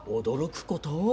驚くこと？